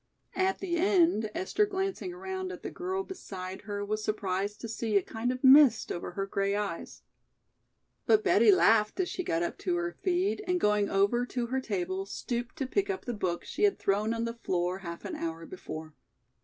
At the end, Esther glancing around at the girl beside her was surprised to see a kind of mist over her gray eyes. But Betty laughed as she got up to her feet and going over to her table stooped to pick up the book she had thrown on the floor half an hour before.